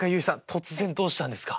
突然どうしたんですか？